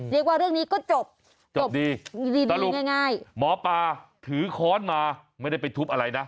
เรียกว่าเรื่องนี้ก็จบจบดีง่ายหมอปลาถือค้อนมาไม่ได้ไปทุบอะไรนะ